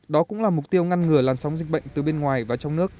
đó cũng là mục tiêu ngăn ngừa làn sóng dịch bệnh từ bên ngoài và trong nước